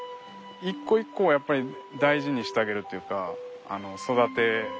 一個一個をやっぱり大事にしてあげるっていうか育て。